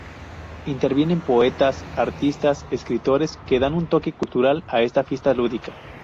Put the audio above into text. Intervienen poetas, artistas, escritores que dan un toque cultural a esta fiesta lúdica.